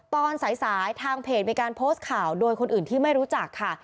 ตอนสายทางเพจมีการโพสต์ข่าวโดยคนอื่นที่ไม่รู้จักค่ะ